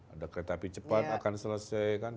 ada kereta api cepat akan selesai kan